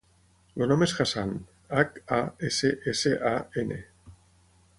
El nom és Hassan: hac, a, essa, essa, a, ena.